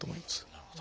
なるほど。